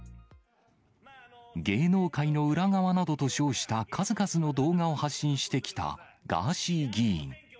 芸能界の裏側などと称した数々の動画を発信してきたガーシー議員。